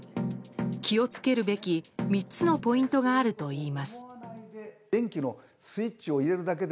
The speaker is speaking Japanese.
気を付けるべき３つのポイントがあるといいます。